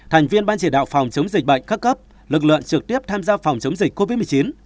thành viên ban chỉ đạo phòng chống dịch bệnh các cấp lực lượng trực tiếp tham gia phòng chống dịch covid một mươi chín